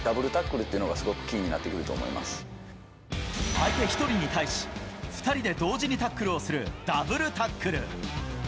相手１人に対し、２人で同時にタックルをするダブルタックル。